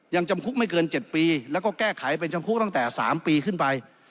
จำคุกไม่เกิน๗ปีแล้วก็แก้ไขเป็นจำคุกตั้งแต่๓ปีขึ้นไป